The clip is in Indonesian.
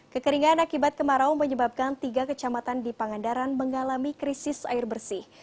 kekeringan akibat kemarau menyebabkan tiga kecamatan di pangandaran mengalami krisis air bersih